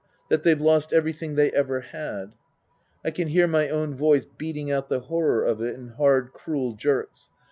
That they've lost everything they ever had ?" (I can hear my own voice beating out the horror of it in hard, cruel jerks.)